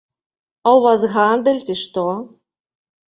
А ў вас гандаль, ці што?